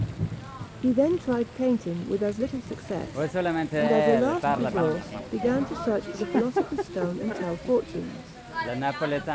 He then tried painting with as little success; and as a last resource, began to search for the philosopher's stone and tell fortunes.